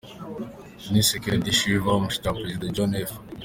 Eunice Kennedy Shriver, mushiki wa Perezida John F.